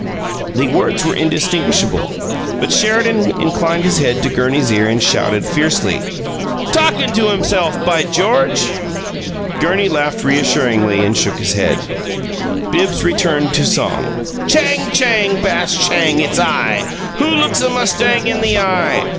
The words were indistinguishable, but Sheridan inclined his head to Gurney's ear and shouted fiercely: "Talkin' to himself! By George!" Gurney laughed reassuringly, and shook his head. Bibbs returned to song: Chang! Chang, bash, chang! It's I! WHO looks a mustang in the eye?